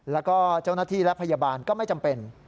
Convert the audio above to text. แล้วก็เจ้าหน้าที่และพยาบาลก็ไม่จำเป็น